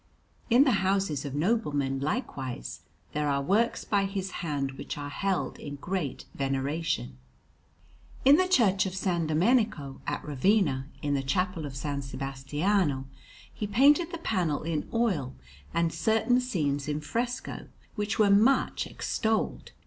In the houses of noblemen, likewise, there are works by his hand which are held in great veneration. In the Church of S. Domenico at Ravenna, in the Chapel of S. Sebastiano, he painted the panel in oil and certain scenes in fresco, which were much extolled.